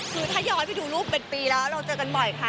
คือถ้าย้อนไปดูรูปเป็นปีแล้วเราเจอกันบ่อยค่ะ